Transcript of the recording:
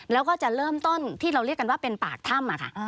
แล้วก็จะเริ่มต้นที่เราเรียกกันว่าเป็นปากถ้ำค่ะ